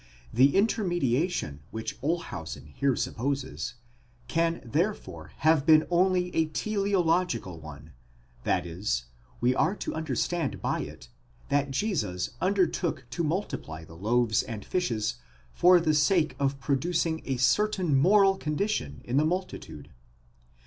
The intermediation which Olshausen here sup poses, can therefore have been only a teleological one, that is, we are to under stand by it, that Jesus undertook to multiply the loaves and fishes for the sake of producing a certain moral condition in the multitude.